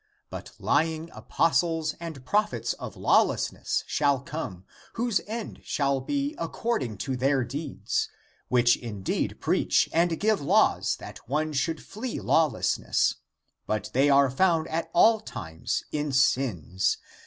But lying apostles and prophets of lawlessness shall come,^ whose end shall be accord ing to their deeds, which indeed preach and give laws that one should flee lawlessness, but they are found at all times in sins.